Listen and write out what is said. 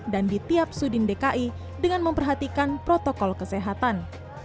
dan di tiap sudin dki dengan memperhatikan protokol kesehatan